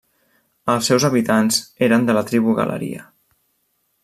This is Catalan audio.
Els seus habitants eren de la tribu Galeria.